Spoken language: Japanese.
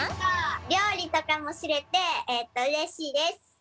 りょうりとかもしれてうれしいです。